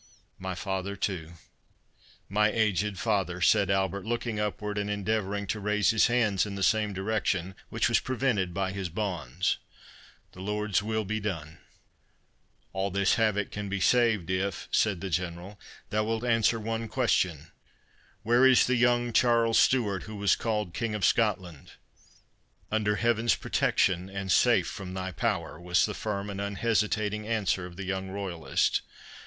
"My father, too—my aged father!" said Albert, looking upward, and endeavouring to raise his hands in the same direction, which was prevented by his bonds. "The Lord's will be done!" "All this havoc can be saved, if," said the General, "thou wilt answer one question—Where is the young Charles Stewart, who was called King of Scotland?" "Under Heaven's protection, and safe from thy power," was the firm and unhesitating answer of the young royalist.